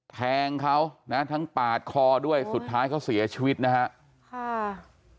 แทงเขานะทั้งปาดคอด้วยสุดท้ายเขาเสียชีวิตนะฮะค่ะ